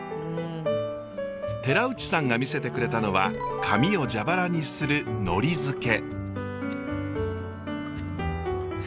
寺内さんが見せてくれたのは紙を蛇腹にするのり付け。